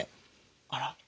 あら。